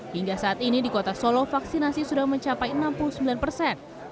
hingga saat ini di kota solo vaksinasi sudah mencapai enam puluh sembilan persen